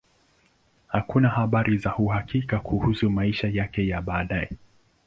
Hakuna habari za uhakika kuhusu maisha yake ya baadaye.